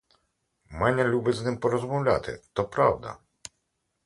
Маня любить з ним порозмовляти — то правда.